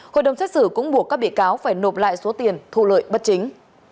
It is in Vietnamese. hội đồng xét xử cũng buộc các bị cáo phải nộp lại số tiền thu lợi bất chính